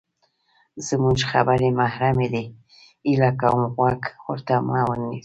زمونږ خبرې محرمې دي، هیله کوم غوږ ورته مه نیسه!